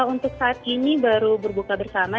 untuk saat ini baru berbuka bersama